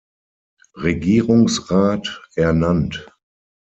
Regierungsrat ernannt.